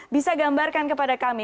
bisa gambarkan kepada kami